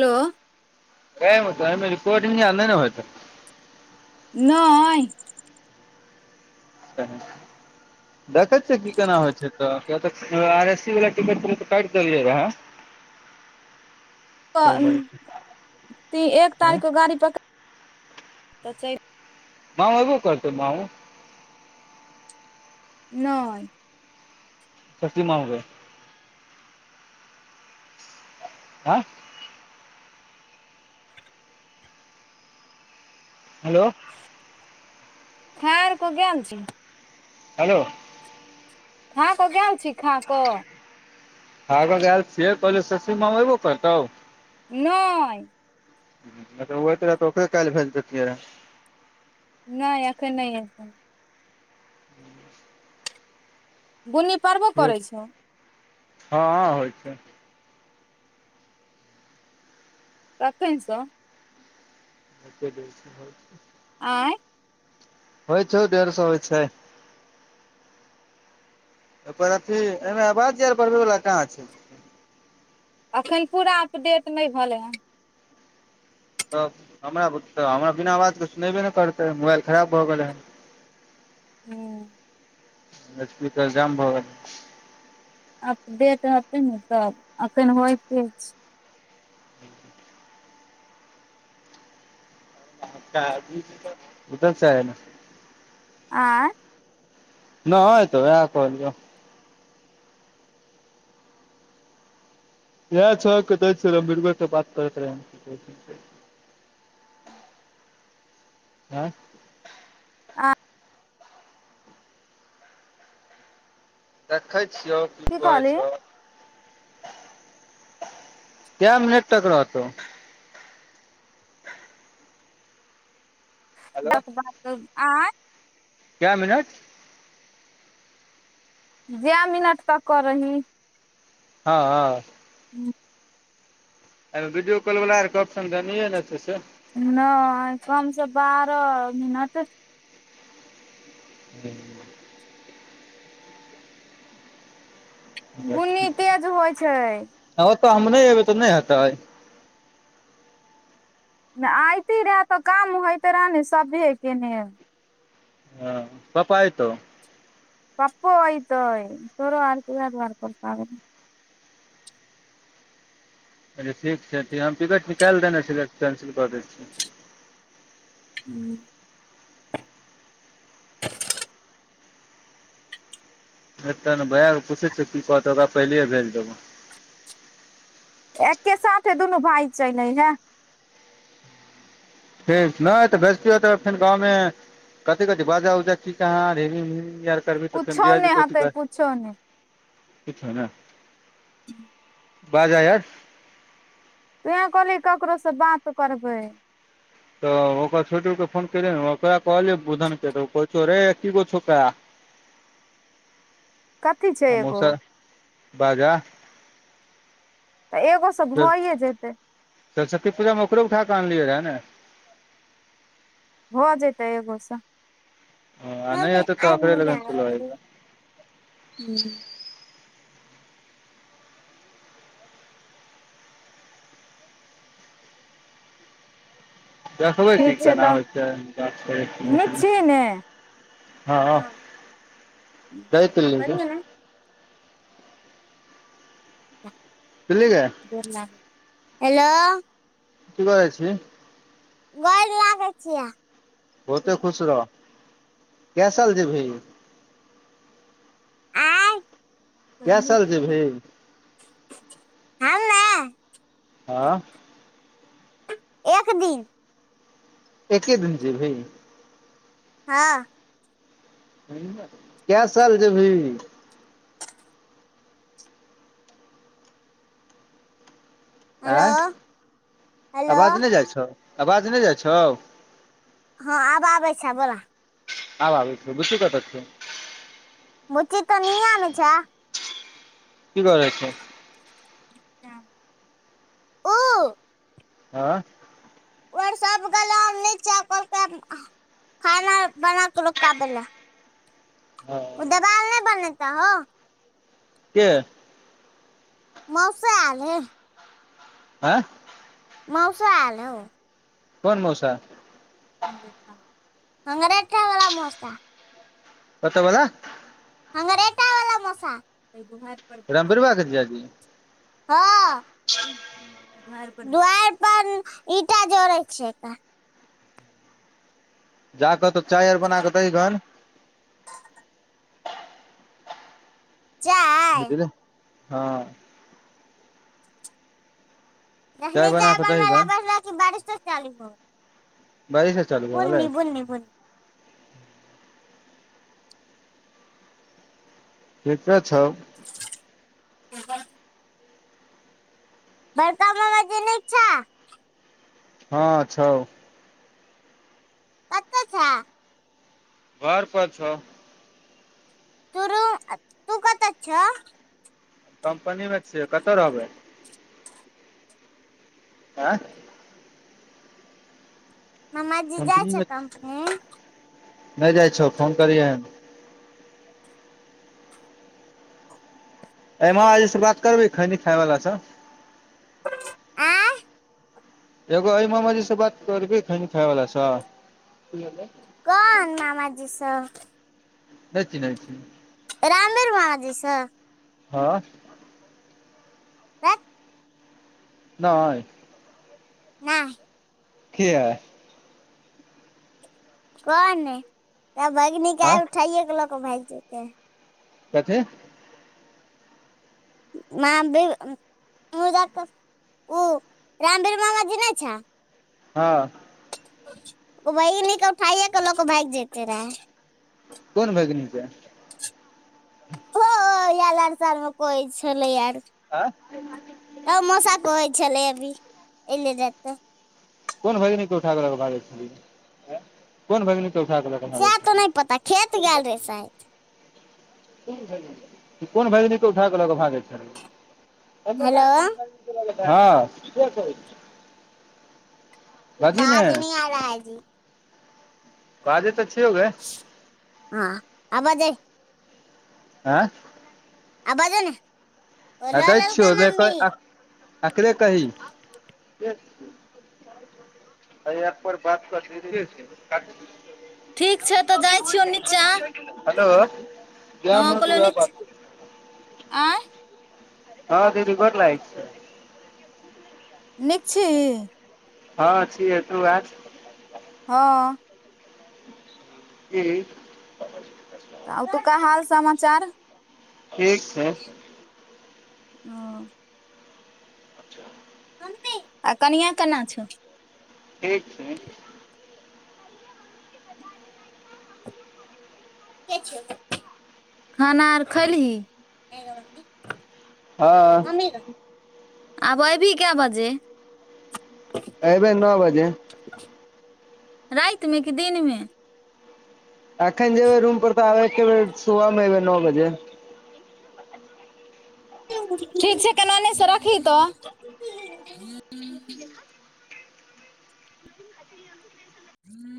hello कहे न तमे रेकाउडिंग नहि ने होय त नहि देखै छियै की केना होइ छै तऽ आर एस सी वला टिकट त कट देलियै रहै एक तारीखके गाड़ी पका माव एो करत माव नाय शकती माऔ गे आँ हेलो खार क गेल छी हेलो खा क गन छी खा क खा क गैल छियै कहलियो शशी म एबो करतो नइय ऽ ओ त रह तऽ ओकरे काल्हि भेज देतियै रहै नहि अखन नहि एतए बुन्नी पड़बो रहए करै छौ हँ होइ छै तखैन छ ह च दै छै [inaudible] आँय होइ छौ डेढ़ सए होइ छै ओयपर अथी एहिमे आवाज यर पढ़बैवला कहाँ छै अखैन पूरा अपडेट नहि भेलै हन तब हमरा तऽ [inaudible] हमरा बिना आवाजके सुनेबे नैय करतै मोबाइल खराब भऽ गेलै हन हू लपीतल [inaudible] जाम बाब अपडेट अखैन हतो अखैन होतै छैय ओधल छै ह ने [inaudible] आँ नैय तऽ उहै कहलियै इह छ कमभीरबर [inaudible] त बात करड़त रहै आँ आ देखै छियौ की कहै छौ क्या मीनट तक रहतौ ब बात [inaudible] आँ क्या मिनट जैं मिनट तक करही हँ हँ ह [inaudible] अएमे वीडियो कॉल वला यर के ऑप्शन दनैये नैय छै से नहि कमसँ बारह मिनट ह [inaudible] बुन्नी तेज होइ छै त हम नहि अबै तऽ नहि हेतै नैय अयती रहए तऽ काम होइत रहै न सभेके ने हँ पप्पा एतौ पप्पो एतै तोरो आरके उहे दुआरे परेशानी अच्ा ठीक छै ते ठ हम टिकट निकालि देने छलियै कैंसिल कऽ दै छियै [inaudible] अतऽ न भैया पूछै छियै की कहतो ओकरा पहिले भेज देबौ एकके साथे दुनू भाय चलै एहैं फे नहि तऽ भेजतियौ फेन गाँवमे कथी कथि बाजा उजा की काहाँ रेली आर करबि तऽ फेर कुछो जीजाजी नहि कथी हेतै कुछो नहि किछो नैय बाजा यार तु उएह कहली ककरोसँ बात करबै तऽ ओकर छोटू के फोन करिएन उहे कहलिए बुधन के त कहै छौ रै एकीगो छौका कथी छैय एगो मौसा बाजा एगो सं भइए जेतै सरस्वती पूजामे ओकरो उठााकऽ आनलियै रहऽ न भ जेतै एगो सं आ नहि मम्मी हेतै तऽ आइग ओकरे मूझा लगन चलऽ रहली अयबै देखबै च ठीक छै केना तऽ होै छै गाछ करै नीक छी ने [unintelligible] हँ दैत पिल्ली गै हेलो की करै छी गोड़ लागै छियै बहुते खुश रह कै साल जेभी आय कै हमे एक साल दिन जीभही आँ एक दिन एके दिन जिवही हँ कै साल जीभी हेलो आँय हेलो आवाज नहि जाइ छौ आवाज नहि जाइ छौ हँ आब आबै छ बोला आब आबै छै बुची कत छै मुची तऽ नियामे छै की करै छै उ हआँ सब गेलै नीचा कहलकै आब खाना बनाक ल क आबे लै हँ देवाल नहि बनेता हो के मौसा ऐल है आँ मौसा एल हौ कोन मौसा खंगरेठा वला मौसा कतअ बला खंगरेठा वला मौसा रमबिरहवा के जीजाजी हँ दुआरि पर ईंटा जोड़ै छैक जा कऽ तऽ चाय आर बना कऽ दैइ गन चाय बुझले हँ जखनी बना चाय कऽ दही बनव लै गन बैसलए कि बारिसे चालू भ बारिशे चालू भ गेलै बुन्नी ठिके छैउ [unintelligible] बरका मामा जी नीक छअ हँ छउ कतअ छअ घर पर छौअ तरू तू कतअ छ कम्पनीमे छियै कतय रहबै आइ मामाजी जाइ कम्पनी छै मे कंपनी नहि जाइ छहो फोन करियहे ए मामाजी स बात करबीही खैनी खाय वला स आय एगो अ मामााजी से बात करब खइनी खाय वाला स कोन मामाजी सब नइ चीनहैइ छि रामीर मामाजी सँ हँ रट नहि नहि किया कह ने त भगनी आ कऽ उठइए क लोक भाग जेतै कथि [unintelligible] ओ रामधीर मामा जी नहि छह हँ भगनी क उठाइए कऽ लोक क भागि जते रहए कोन भगनी के ओ कोइ यर लड़ सब मे कहै छलै यार हँ भी ऐने जात कोन भगिन के उठाब ल भागै छी कोन भगिन उठा कऽ लऽ कऽ भागौ सएह तो छलैय नहीं पता खेत गेल रहे शायद कोन भागिनी क उठा कऽ लऽ कऽ भागै छलै हेलो [unintelligible] बाज नी आ रहा है जी [unintelligible] बाजे ने छहि हँ आ बेजे हाँ आ बाजअ ने आ बोलो दई ललका छियै दे मम्मी कही आ अकरे कहि [unintelligible] ठीक छै तऽ जाइ छियौ नीचाँ हेलो जे मेन हेतो उहे बात करतो आय हँ दीदी गोर लागैय छियो निक छी ही हँ छिये तू बाज हँ कि तऽ ओतुका हाल समाचार ठीक छै ह अच्छा आ कनिआ केना छौ ठीक छै खाना अर खलही हँ आब अयबही कऽ बजे अबै नओ बाजे राति मे कि दिनमे आखन जेबै रूम पर तऽ आ सुबमेब नओ बजे ठीक छै केना ओनेसँ र खही तऽ ह